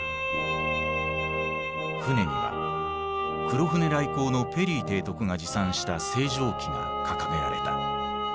船には黒船来航のペリー提督が持参した星条旗が掲げられた。